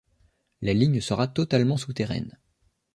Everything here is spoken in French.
La ligne sera totalement souterraine.